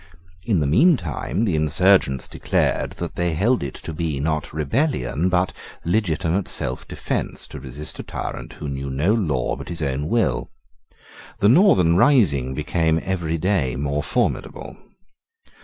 In the meantime, the insurgents declared that they held it to be not rebellion, but legitimate self defence, to resist a tyrant who knew no law but his own will. The Northern rising became every day more formidable.